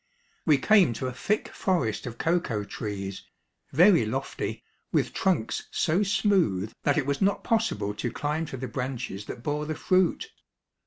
We came to a thick forest of cocoa trees, very lofty, with trunks so smooth that it was not possible to climb to the branches that bore the fruit.